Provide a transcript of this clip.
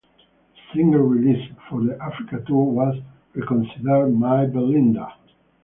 The single released for the Africa tour was "Reconsider My Belinda".